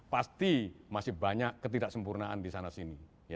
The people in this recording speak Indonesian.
pasti masih banyak ketidaksempurnaan di sana sini